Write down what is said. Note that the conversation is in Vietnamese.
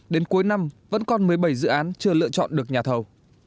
đến cuối năm vẫn còn một mươi bảy dự án chưa lựa chọn được nhà thầu